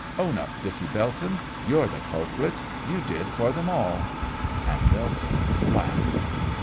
Own up, Dicky Belton. You're the culprit you did for them all.' And Belton laughed.